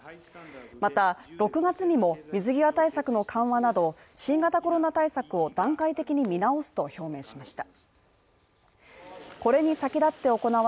また６月にも、水際対策の緩和など新型コロナ対策を段階的に見直すと表明しました。